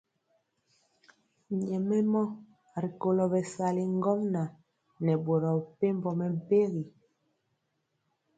Nyɛmemɔ rikolo bɛsali ŋgomnaŋ nɛ boro mepempɔ mɛmpegi.